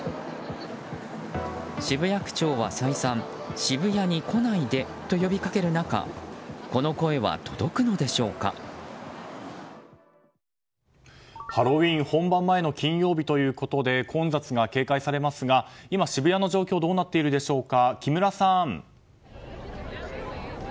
渋谷区長は、再三渋谷に来ないでと呼びかける中ハロウィーン本番前の金曜日ということで混雑が警戒されますが今、渋谷の状況どうなっているでしょうか。